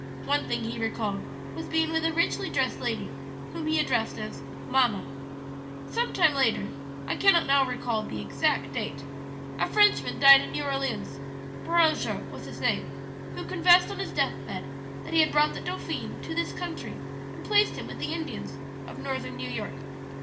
One thing he recalled was being with a richly dressed lady whom he addressed as 'mamma.' "Some time later I cannot now recall the exact date a Frenchman died in New Orleans (Beranger was his name), who confessed on his death bed that he had brought the dauphin to this country and placed him with the Indians of Northern New York.